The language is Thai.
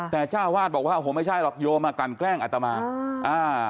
แต่เจ้าวาสบอกว่าโอ้โหไม่ใช่หรอกโยมกันแกล้งอัตมา